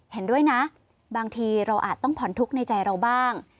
เห็นด้วยนะบางทีเราอาจต้องผ่อนทุกข์ในใจเราบ้าง